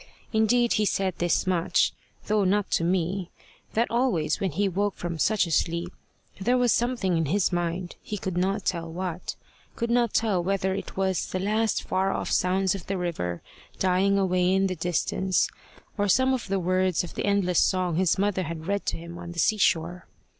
Indeed he said this much, though not to me that always when he woke from such a sleep there was a something in his mind, he could not tell what could not tell whether it was the last far off sounds of the river dying away in the distance, or some of the words of the endless song his mother had read to him on the sea shore.